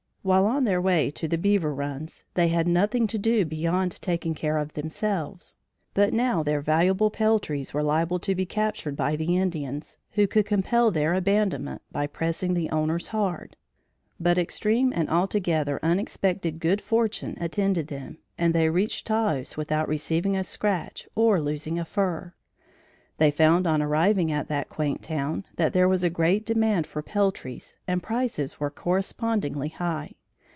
While on their way to the beaver runs, they had nothing to do beyond taking care of themselves; but now their valuable peltries were liable to be captured by the Indians, who could compel their abandonment by pressing the owners hard. But extreme and altogether unexpected good fortune attended them, and they reached Taos, without receiving a scratch or losing a fur. They found on arriving at that quaint town, that there was great demand for peltries and prices were correspondingly high.